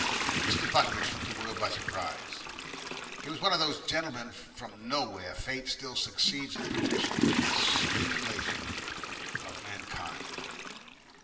Mr. Butteridge took the world by surprise. He was one of those gentlemen from nowhere Fate still succeeds in producing for the stimulation of mankind.